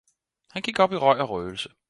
han gik op i røg og røgelse.